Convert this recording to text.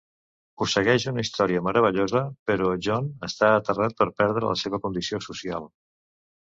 Ho segueix una història meravellosa, però John està aterrat per perdre la seva condició social.